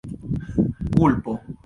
kulpo